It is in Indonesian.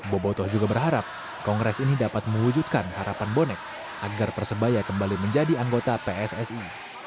bobotoh juga berharap kongres ini dapat mewujudkan harapan bonek agar persebaya kembali menjadi anggota pssi